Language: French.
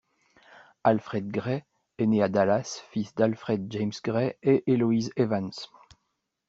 Alfred Gray est né à Dallas fils d'Alfred James Gray et Eloise Evans.